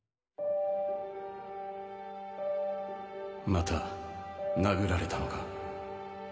また殴られたのか。